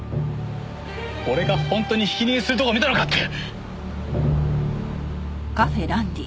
俺が本当にひき逃げするところを見たのかって！